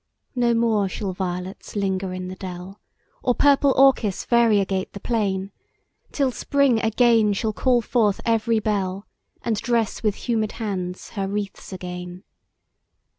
No more shall violets linger in the dell, Or purple orchis variegate the plain, Till Spring again shall call forth every bell, And dress with humid hands her wreaths again.